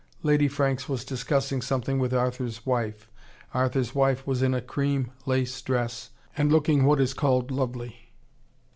Lady Franks was discussing something with Arthur's wife. Arthur's wife was in a cream lace dress, and looking what is called lovely.